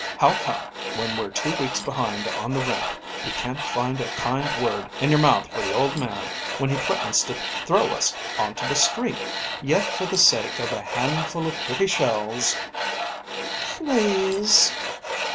"How come when we're two weeks behind on the rent, you can't find a kind word in your mouth for the old man when he threatens to throw us onto the street? Yet for the sake of a handful of pretty shells ..." "_Please